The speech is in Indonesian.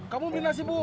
kamu beli nasi bungkus